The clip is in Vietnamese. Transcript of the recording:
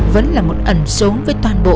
vẫn là một ẩn số với toàn bộ